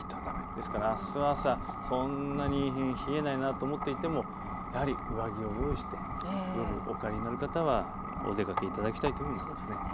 ですからあす朝、そんなに冷えないなと思っていてもやはり上着を用意して夜、お帰りになる方はお出かけいただきたいと思います。